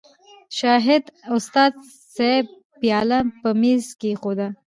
شاهد استاذ صېب پياله پۀ مېز کېښوده